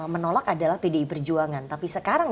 menolak adalah pdi perjuangan tapi sekarang